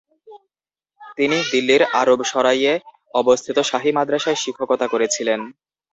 তিনি দিল্লির আরব সরাইয়ে অবস্থিত শাহী মাদ্রাসায় শিক্ষকতা করেছিলেন।